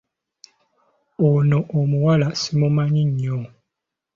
Ono omuwala simumanyi nnyo.